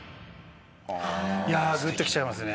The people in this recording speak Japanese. いやグッときちゃいますね